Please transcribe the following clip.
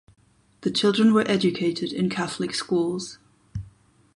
The children were educated in Catholic schools.